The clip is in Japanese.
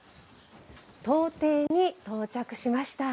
東庭に到着しました。